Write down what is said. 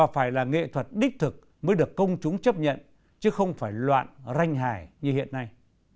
kỹ thuật đích thực mới được công chúng chấp nhận chứ không phải loạn ranh hài như hiện nay